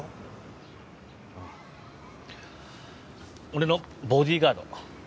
俺のボディーガード。